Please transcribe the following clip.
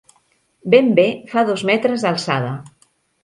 Ben bé fa dos metres d'alçada.